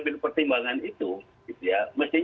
dengan pertimbangan ketertiban umum